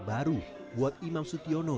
baru buat imam sutyono